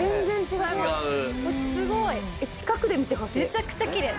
めちゃくちゃきれい。